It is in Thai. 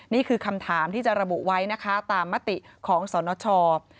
นี่คือคำถามที่จะระบุไว้นะคะตามมติของสนช